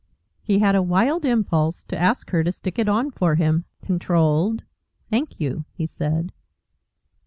He had a wild impulse to ask her to stick it on for him. Controlled. "Thank you," he said.